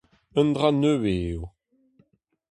Un dra nevez eo.